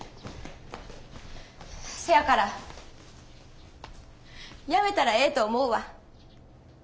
せやからやめたらええと思うわ。